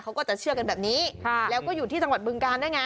เขาก็จะเชื่อกันแบบนี้แล้วก็อยู่ที่จังหวัดบึงการด้วยไง